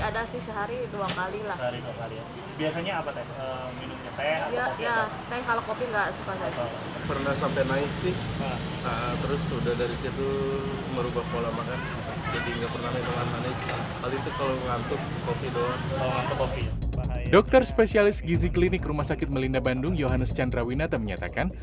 dokter spesialis gizi klinik rumah sakit melinda bandung yohanes chandrawinata menyatakan